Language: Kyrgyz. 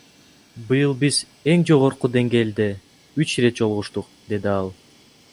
Быйыл биз эң жогорку деңгээлде үч ирет жолугуштук, — деди ал.